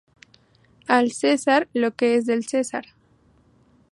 Al César lo que es del César